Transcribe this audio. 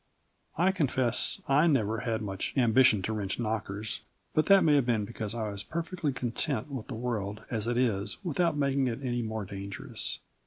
I confess I never had much ambition to wrench knockers, but that may have been because I was perfectly content with the world as it is without making it any more dangerous.